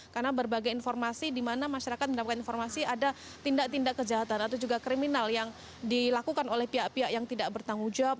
karena berbagai informasi di mana masyarakat mendapatkan informasi ada tindak tindak kejahatan atau juga kriminal yang dilakukan oleh pihak pihak yang tidak bertanggung jawab